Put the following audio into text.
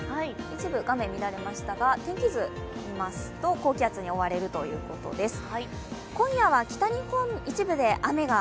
一部、画面が乱れましたが、天気図を見ますと高気圧に覆われるということです。